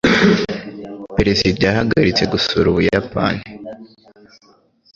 Perezida yahagaritse gusura Ubuyapani.